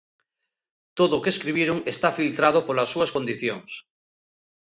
Todo o que escribiron está filtrado polas súas condicións.